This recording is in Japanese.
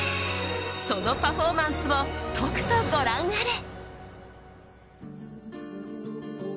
そのパフォーマンスをとくとご覧あれ。